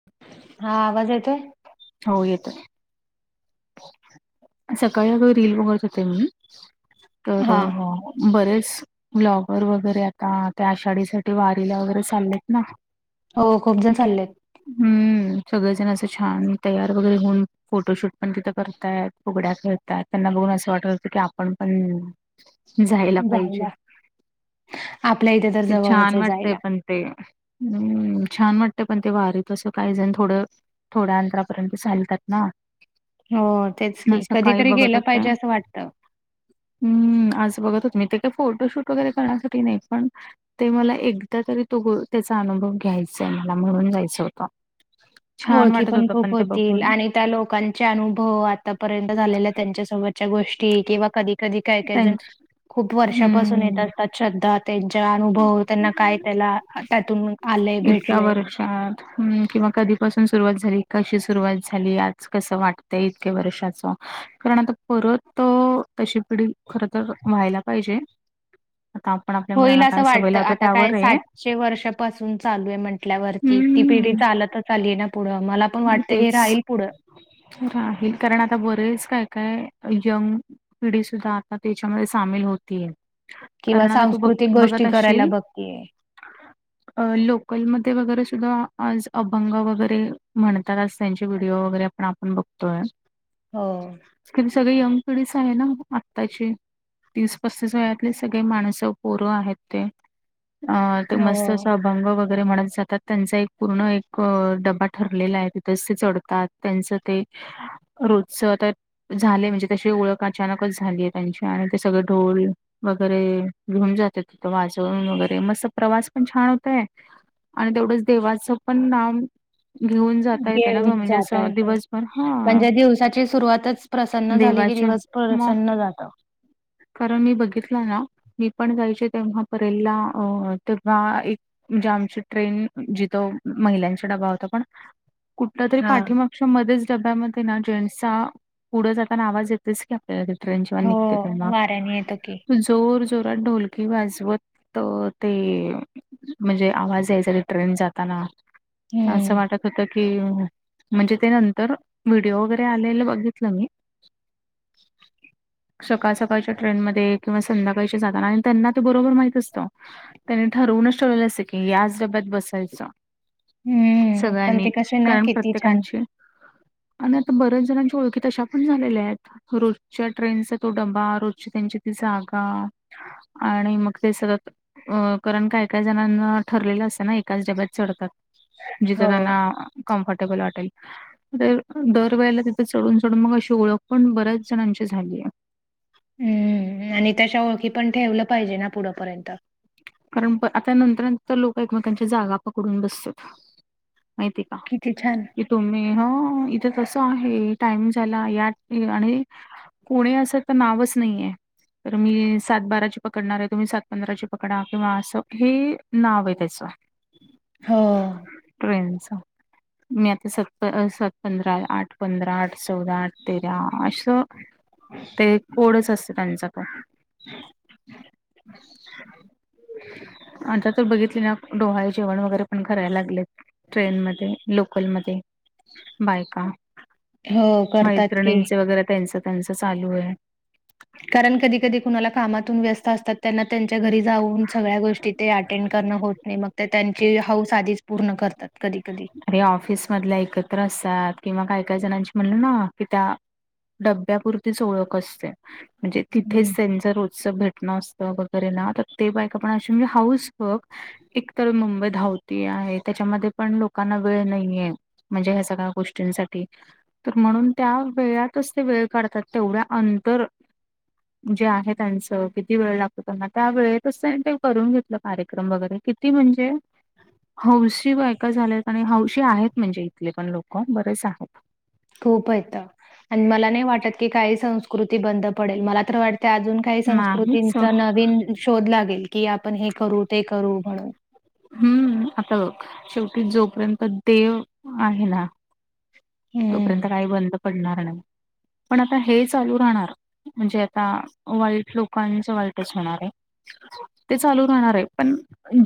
[inaudible] हा आवाज येतोय हो येतोय सकाळी अग रील बघत होते मी तर हा बरेच ब्लॉगर वगैरे आता त्या आषाढी साठी वारीला वगैरे चाललेत ना हो खूप जण चाललेत. हम्म सगळेजण असं छान तयार वगैरे होऊन फोटोशूट पण तिथं करतायत. फुगड्या खेळतात त्यांना बघून असं वाटत होतं की आपण पण जायला पाहिजे आपल्या इथे तर किती जवळच छान आहे वाटतंय जायला. पण ते हमम छान वाटत पण ते वारीत अस काहीजण थोडं थोड्या अंतरापर्यंत चालतात ना हो तेच मग की कधी सकाळी तरी बघत गेलं होते पाहिजे असं वाटतं. हम्म आज बघत होते मी ते काय फोटोशूट वगैरे करण्यासाठी नाही पण ते मला एकदा तरी तो ग त्याचा अनुभव घ्यायचाय मला म्हणून जायचं होतं. छ ओळखी पण खूप होतील आणि त्या लोकांचे अनुभव आतापर्यंत झालेल्या त्यांच्यासोबत च्या गोष्टी किंवा कधी कधी काय काय जण त्यांच खूप वर्षापासून हम्म. येतात त्यात श्रद्धा त्यांचे अनुभव त्यांना काय त्याला त्यातून आलय इतक्या भेटलय. किंवा कधीपासून सुरुवात झाली कशी सुरुवात झाली आज कसं वाट तय इतक्या वर्षाचं कारण आता परत तशी पिढी खर तर व्हायला पाहिजे आता आपण आपल्या मुलांना काय सवय लावतो त्यावर आहे हे शे वर्षापासून चालू आहे म्हटल्यावरती ती पिढी हं, चालतच आली आहे ना पुढं मला पण वाट त हे तेच. राहील पुढं राहील कारण आता बरेच काय काय जम पिढी सुद्धा आता त्याच्यामध्ये सामील होतीय. किंवा सांस्कृत बघत असशील अ लोकल मध्ये वगैरे सुद्धा आज अभंग वगैरे म्हणताच असायचे व्हिडिओ वगैरे पण आपण बघतोय. हो. ती सगळी यंग पिढीस आहे ना आत्ताची. तीस-पस्तीस वयातले सगळे माणसं. पोर आहेत ते, अ! ते मस्त हो. अस अभंग वगैरे म्हणत जातात. त्यांचा एक पूर्ण एक डबा ठरलेला आहे, तिथंच ते चढतात. त्यांचं ते रोजच आता झाले म्हणजे, तशी ओळख अचानकच झाली आहे त्यांची आणि ते सगळे ढोल वगैरे घेऊन जातात तिथं वाजवून वगैरे, मस्त प्रवास पण छान होतय. आणि तेवढंच देवाचं पण नाम घेऊन जाता येत, दिवसभर हां, म्हणजे दिवसाची सुरुवातच प्रसन्न झालि की देवाच्या दिवस मग प्रसन्न जातो. कारण मी बघितला ना, मी पण जायचे तेव्हा परेला अ तेव्हा एक म्हणजे आमची ट्रेन जिथ महिलांचा डबा होता पहा कुठल्या तरी हां. पाठीमागच्या मध्येच डब्यामध्ये ना जेंट्सचा पुढं जाताना आवाज येतो. तेच की आपल्याला ट्रेन जेंव्हा निघते तेंव्हा. त्यानी येत की. जोर जोरात ढोलकी वाजवत ते म्हणजे आवाज यायचा ट्रेन जाताना, हम्म. असं वाटत होत की कि म्हणजे ते नंतर व्हिडिओ वगैरे आलेल बघितलं मी. सकाळचं सकाळच्या ट्रेन मध्ये किंवा, संध्याकाळच्या जाताना आणि त्यांना ते बरोबर माहित असत. त्यानी ठरवूनच ठेवलं असते की याच डब्यात बसायच. हम्म. पण सगळ्यांनी ते कसे ना कारण किती छान. प्रत्येकांची आणि आता बऱ्याच जणांची ओळखी तशा पण झालेल्या आहेत रोजच्या ट्रेनचा तो डबा. रोजची त्यांची ती जागा आणि मग ते सतत अ कारण काय काय जणांना ठरलेलं असतं ना एकाच डब्यात चढतात. जिथं हो. त्यांना कम्फर्टेबल वाटेल. तर दरवेेळेला तिथे चढून चढून मग अशी ओळख पण बऱ्याच जणांची झाली आहे. हम्म, आणि तशा ओळखी पण ठेवलं पाहिजे ना पुढपर्यंत. कारण आता नंतर नंतर लोक एकमेकांच्या जागा पकडून बसत, माहिती आहे का. किती छान! की तुम्ही ह इथे कस आहे टाइम झाला या आणि- कोणी असं तर नावच नाहीये, तर मी सात बाराची पकडणार आहे, तुम्ही सात पंधराची पकड. ककडा किंवा असं, हे नाव आहे त्याचं. हो ट्रेन च. मी आता स सात पंधरा, आठ पंधरा, आठ चौदा, आठ तेरा असं. ते कोडच असते त्यांचा पण. [inaudible] अता तर बघितली ना डोहाळे जेवण वगैरे पण करायला लागले. ट्रेन मधे, लोकल मध्ये बायका. हो करतात की. मैत्रिणींचं वगैरे त्यांचं त्यांचं चालूए. कारण कधी कधी कुणाला कामातून व्यस्त असतात त्यांना त्यांच्या घरी जाऊन सगळ्या गोष्टी ते अटेंड करणं होत नाही मग त्या त्यांची हौस आधीच पूर्ण करतात कधी कधी. अरे ऑफिस मधल्या एकत्र असतात, किंवा काही काही जणांची म्हणलं ना कि त्या डब्ब्यापुरतीच ओळख असते, म्हणजे हं. तिथेच हं. त्यांच च रोजचं भेटणं असतं वगैरे ना‌, तर ते बायका पण अ म्हणजे हौस बघ एकतर मुंबई धावती आहे, त्याच्यामध्ये पण लोक कांना वेळ नाहीये म्हणजे ह्या सगळ्या गोष्टींसाठी. तर म्हणून त्या वेळातच ते वेळ काढतात, तेवढ्या अंतर जे आहे त्यांचं किती वेळ लागतो त्यांना, त्या वेळेतच त्यां ते करून घेतलं कार्यक्रम वगैरे कित ती म्हणजे, हौसी बायका झाल्यात. आणि हौशी आहेत म्हणजे इथले पण लोकं, बरेच आहेत. खूप हायत आणि मला नाही वाटत की काही संस्कृती बंद पडेल, मला तर वाट तय अजून काही नाहीच संस्कृतींचा नवीन शोध लागेल, की आपण हे करू ते करू म्हणून. हम्म, आता बघ शेवटी जोपर्यंत देव आहे ना तोपर्यंत हं. काही बंद पडणार नाही, पण आता हे चालू राहणार. म्हणजे आता वाईट लोकांचं वाईटच होणार आहे. ते चालू राहणार आहे पण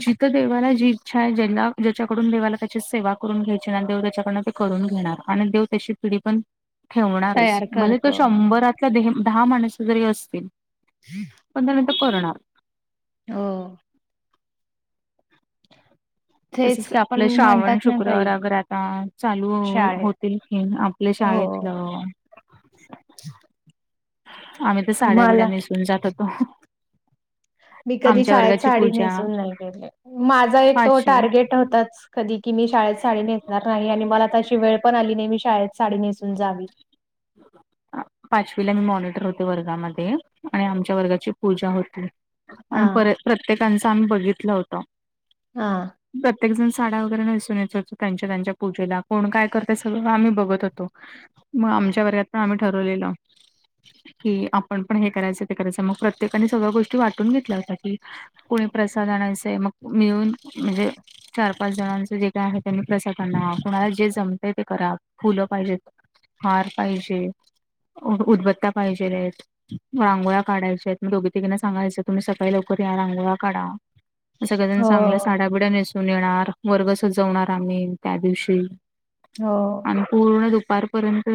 जिथं देवाला जी इच्छा आहे ज्याला ज्याच्याकडून देवाला त्याची सेवा करून घ्यायची ना देव त्याच्याकडनं ते करून घेणार आणि देव त्याची पिढी पण ठेवणारच, तयार म्हणुन तर करतो शंभरा [unintelligible] दहा माणसं जरी असतील [unintelligible] पण त्या [unintelligible] करणार. हो. तसेच तेच की पण आपलं श्रावण म्हणतात ना शुक्रवार काही अगर आता चालू ह शाळे होतील की न आपल्या हो शाळेतलं. [inaudible] आम्ही तर साड्या बिड्या मला नेसून जात होतो. मी कधी आमच्या शाळेत वर्गाची साडी पूजा नेसून नाय गेले, माझा एक तो पाचवी टार्गेट होताच कधी की मी शाळेत साडी नेसणार नाही आणि मला तशी वेळ पण आली नाही मी शाळेत साडी नेसून जावी. आ पाचवीला मी मॉनिटर होते वर्गामध्ये आणि आमच्या वर्गाची पूजा होती. हा आणि पर प्रत्येकांचं आम्ही बघितलं होतं. हा. प्रत्येक जण साड्या वगैरे नेसून येत होते त्यांच्या त्यांच्या पूजेला, कोण काय करतंय सगळं आम्ही बघत होतो. मग आमच्या वर्गात पण आम्ही ठरवलेलं. कि आपण पण हे करायचं ते करायचं, मग प्रत्येकाने सगळ्या गोष्टी वाटून घेतल्या होत्या की कुणी प्रसाद आणायचे, मग मिळून म्हणजे चार पाच जणांचं जे काय आहे त्यांनी प्रसाद आणा, कुणाला जे जमतंय ते करा, फुलं पाहिजेत हार पाहिजे, उद उदबत्या पाहिजेलेत. रांगोळ्या काढायच्या आहेत, मग दोघी तिघींना सांगायचं तुम्ही सकाळी लवकर या रांगोळ्या काढा. मग सगळे जण चांगल्या हो साड्याबिड्या नेसून येणार, वर्ग सजवणार आम्ही त्या दिवशी. हो. आणि पूर्ण दुपारपर्यंत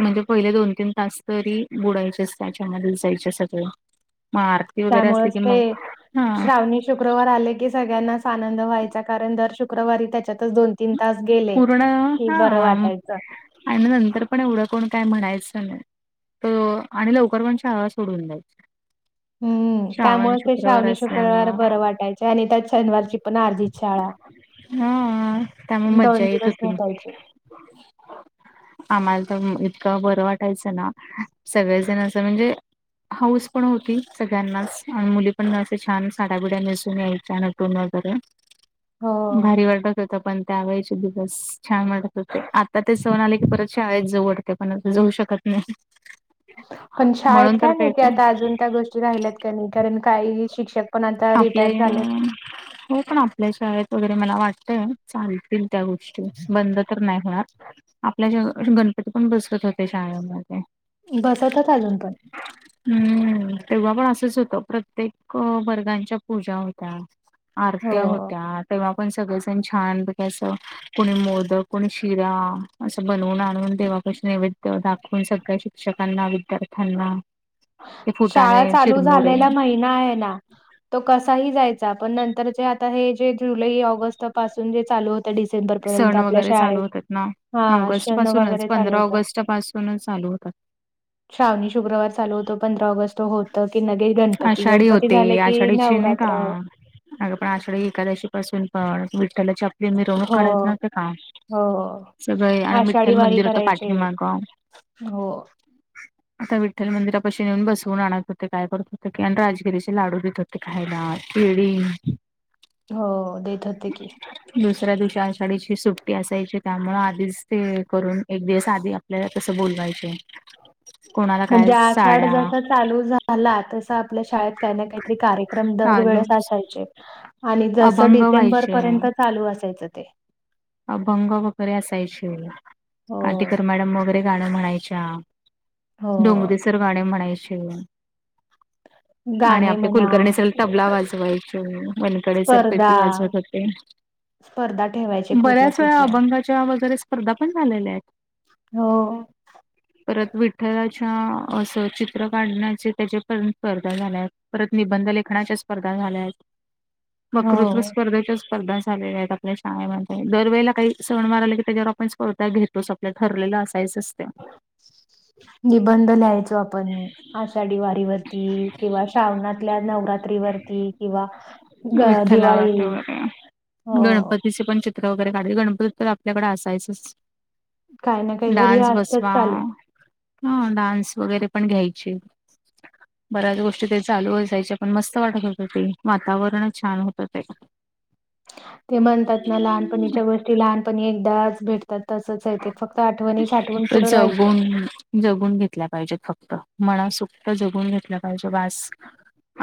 म्हणजे पहिले दोन तीन तास तरी बुडायचेच त्याच्यामध्ये जायचे सगळे. मग आरती वगैरे असली त्यामुळेच कि ते मग हा श्रावणी शुक्रवार आले की सगळ्यांनाच आनंद व्हायचा कारण दर शुक्रवारी त्याच्या त्यातचं दोन तीन तास गेले पूर्ण कि हा बरं वाटायचं. आणि नंतर पण एवढं कोण काय म्हणायचं नाही. त आणि लवकर पण शाळा सोडून द्यायची. हम्म श्रावण त्यामुळे ते शुक्रवार श्रावणी शुक्रवार असल्यामुळं बरं वाटायचे आणि त्यात शनिवारची पण अर्धीच शाळा. हा त्यामुळे मज्जा दोन येत दिवस होती. भेटायचे आम्हाला तर अं इतकं बरं वाटायचं ना सगळेजण असं म्हणजे हाऊस पण होती सगळ्यांनाच आणि मुली पण अस छान साड्या बुड्या नेसून यायच्या न. टून वगैरे, हो. भारी वाटत होतं. पण त्या वेळेचे दिवस छान वाटत होते. आता ते सण आले की परत शाळेत जाऊ वाट तय पण आता जाऊ शकत नाही. पण शाळेत म्हणून तर काय ते माहिती आता अजून त्या गोष्टी राहिल्यात का नाही, कारण काही शिक्षक पण आता आपले रिटायर झालेत. हो पण आप आपल्या शाळेत वगैरे मला वाटतय चालतील त्या गोष्टी बंद तर नाही होणार. आपल्या अ गणपती पण बसवत होते शाळेमध्ये. बसवतात अजून पण. हम्म. तेव्हा पण असच होत प्रत्येक वर्गा दांच्या पूजा होत्या, आरत्या हो होत्या, तेव्हा पण सगळेजण छानपैकी अस कुणी मोदक, कुणी शिरा असं बनवून आणून देवापशी नैवेद्य दाखवून सगळी अशी शिक्षकांना विद्यार्थ्यांना ते फुटाणे चिरमुरे नाही ना. तो कसाही जायचा, पण नंतरचे आता हे जे जुलै ऑगस्ट पासून जे चालू होत डिसें सेंबर पर्यंत सण आपल्या वगैरे चालू शाळेत होतात ना हा ऑगस्ट सण पासूनच वगैरे चालू पंधरा होत. ऑगस्ट पासूनच चालू होतात. श्रावणी शुक्रवार चालू होतो. पंधरा ऑगस्ट होत. त की लगेच गणपती, आषाढी गणपती होते झाले की आषाढीची नाही का नवरात्र. अगं पण आषाढी एकादशी पासून पण विठ्ठलाची आपली मिरवणूक हो काढायचो माहिती आहे का? हो सगळे आणि आषाढी विठ्ठल वारी मंदिर होतं करायचे पाठीमाग. हो. आता विठ्ठल मंदिरापशी न्हेऊन बसवून आणत होते. काय करत होत की आणि राजीगिरीचे लाडू देत होते खायला, केळी हो, देत होते की. दुसऱ्या दिवशी आषाढी ची सुट्टी असायची त्यामुळे आधीच ते करून एक दिवस आधी आपल्याला तसं बोलवायचे. कोणाला काय म्हणजे आषाढ साड्या जसा चालू झाला तस आपल्या शाळेत काही ना काही ते कार्यक्रम चालू दरवेळेस असायचे. आणि जसं अभंग डिसेंबर व्हायचे पर्यंत चालू असायचं ते. अभंग वगैरे असायचे. हो आटीकर मॅडम वगैरे गाणं म्हणायच्या. हो डोंगरे सर गाणे म्हणायचे. आणि गाणे आपले म्हणा कुलकर्णी सर तबला वाजवायचे. वनकडे सर पेटी वाजवत होते. पर्धा ठेवाय बऱ्याच वेळा अभंगाच्या वगैरे स्पर्धा पण झालेल्या आहेत. हो. परत विठ्ठलाच्या असं चित्र काढण्याचे त्याच्यापर्यंत स्पर्धा झाल्या आहेत. परत निबंध लेखनाच्या स्पर्धा झाल्या आहेत वकृत्व हो स्पर्धेच्या स्पर्धा झालेल्या आहेत आपल्या शाळे मध्ये दरवेळेला काही सण वार आले की त्याच्यावर आपण स्पर्धा घेतोच आपलं ठरलेलं असायचच [inaudible] निबंध ल्यायचो आपण आषाढी वारी वरती किंवा श्रावणातल्या नवरात्री वरती किंवा ग विठ्ठला वरती दिवाळी वगैरे हो गणपती कशी पण चित्र वगैरे काढले गणपतीत तर आपल्याकडें असायचंच काही ना काहीतरी डान्स असतच बसवा चालू हा डान्स वगैरे पण घ्यायचे बऱ्याच गोष्टी ते चालू असायच्या जायच्या पण मस्त वाटत होत ते वातावरणच छान होतं ते ते म्हणतात ना लहानपणीच्या गोष्टी लहानपणी एकदाच भेटतात तसंच आहे ते फक्त आठवणी साठवून पुढं राहायचं जगून जगून घेतल्या पाहिजेत फक्त मनासोक्त जगून घेतल्या पाहिजे बास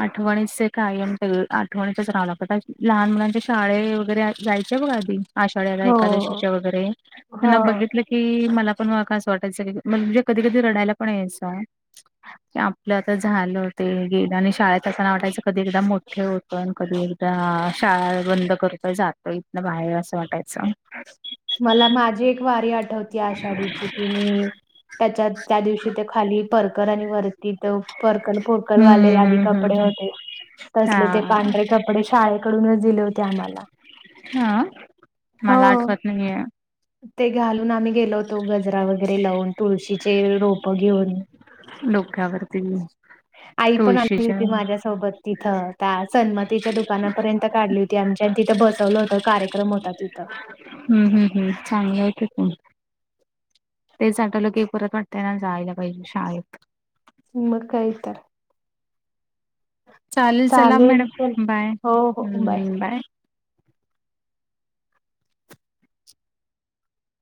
आठवणीसे कायम सगळं आठवणीतच रहावं लागतं कारण की लहान मुलांच्या शाळे हे वगैरे जायचे बघ आधी आषाढ्याला हो एकादशीच्या वगैरे त्यांना हो बघित बघितल की मला पण असं वाटायचं की म्हणजे कधी कधी रडायला पण यायचं आपलं आता झालं ते गेलं आणि शाळेत असताना वाटायचं कधी एकदा मोठे होतोय कधी एकदा शाळा बंद करतोय जातोय इथनं बाहेर असं वाटायचं मला माझी एक वारी आठवतीय आषाढीची की मी त्याच्यात त्या दिवशी ते खाली परकर आणि वर तिथ परकर पोरकल वाले हम्म आदी हम्म हम्म कपडे हम्म. होते तसले ते हा पांढरे कपडे कपडे शाळेकडूनच दिले होते आम्हाला. हा हो [inaudible] ते घालून आम्ही गेलो होतो गजरा वगैरे लावून तुळशीचे रोप घेऊन डोक्यावरती आई पण आलती तुळशीच्या होती माझ्यासोबत तिथं त्या सन्मतीच्या दुकानापर्यंत काढली होती. ती आमच्या तिथं बसवलं होत कार्यक्रम होता तिथं हम हम हम चांगलं आहे की खून [inaudible] तेच आठवलं की परत वाटतय ना जायला पाहिजे परत शाळेत मग काय तर चालेल चला मॅडम बाय. हो हो हम बाय